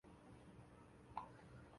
三屋裕子是一名日本前排球运动员。